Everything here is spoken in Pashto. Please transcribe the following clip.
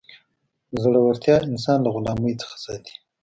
زړورتیا انسان له غلامۍ څخه ساتي.